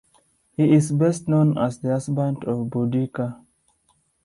He is best known as the husband of Boudica.